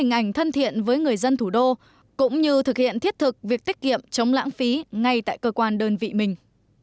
các hãng taxi thực hiện thiết thực việc tiết kiệm chống lãng phí ngay tại cơ quan đơn vị mình